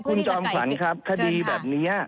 คุณจอมขวัญครับคดีแบบนี้